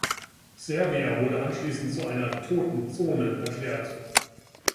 Servia wurde anschließend zu einer „toten Zone“ erklärt.